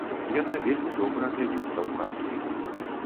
Яна вельмі добра глядзіцца ў кадры.